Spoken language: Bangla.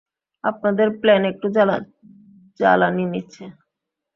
আপনাদের প্লেন একটু জ্বালানি নিচ্ছে।